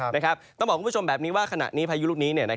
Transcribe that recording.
ต้องบอกคุณผู้ชมแบบนี้ว่าขณะนี้พายุลูกนี้